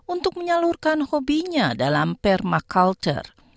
untuk menyalurkan hobinya dalam permakultur